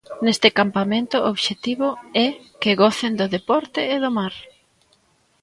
Neste campamento, o obxectivo é que gocen do deporte e do mar.